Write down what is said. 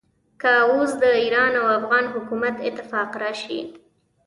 که اوس د ایران او افغان حکومت اتفاق راشي.